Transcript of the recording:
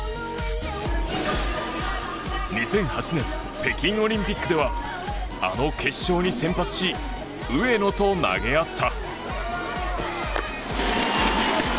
２００８年北京オリンピックではあの決勝に先発し上野と投げ合った。